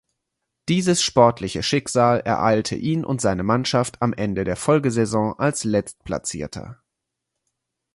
Dieses sportliche Schicksal ereilte ihn und seine Mannschaft am Ende der Folgesaison als Letztplatzierter.